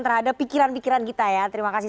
terhadap pikiran pikiran kita ya terima kasih